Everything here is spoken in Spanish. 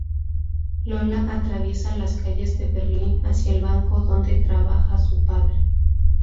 Lola atraviesa las calles de Berlín hacia el banco donde trabaja su padre.